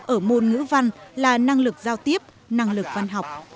ở môn ngữ văn là năng lực giao tiếp năng lực văn học